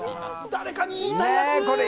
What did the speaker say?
誰かに言いたいやつ！